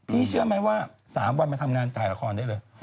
เชื่อไหมว่า๓วันมาทำงานถ่ายละครได้เลย